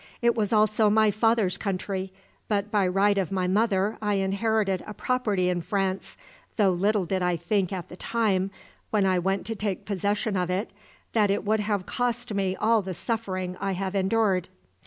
It was also my father's country, but by right of my mother I inherited a property in France though little did I think at the time when I went to take possession of it, that it would have cost me all the suffering I have endured!